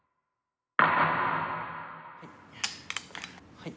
はい。